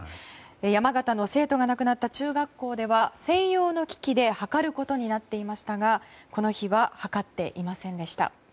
山形の生徒が亡くなった中学校では専用の機器で測ることになっていましたがこの日は測っていませんでした。